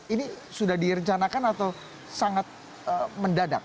ini sudah direncanakan atau sangat mendadak